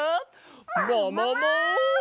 ももも！